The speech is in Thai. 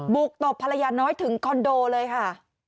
ตบภรรยาน้อยถึงคอนโดเลยค่ะ